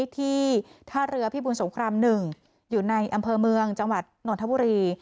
ที่ท่าเรือพี่บุญสงครามหนึ่งอยู่ในอำเภอเมืองจังหวัดหน่วนธบุรี